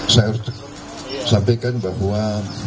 saya harus sampaikan bahwa